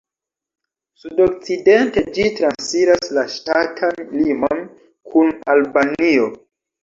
Sudokcidente ĝi transiras la ŝtatan limon kun Albanio.